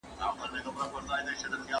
دوی د بازارموندنې په برخه کي ستونزې لرلې.